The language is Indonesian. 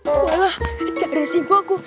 wah dari simbokku